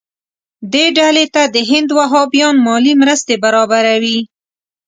دې ډلې ته د هند وهابیان مالي مرستې برابروي.